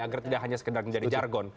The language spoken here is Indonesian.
agar tidak hanya sekedar menjadi jargon